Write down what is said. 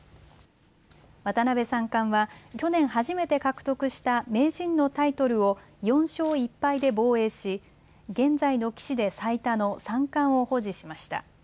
渡辺三冠は去年初めて獲得した名人のタイトルを４勝１敗で防衛し、現在の棋士で最多の三冠を保持しました。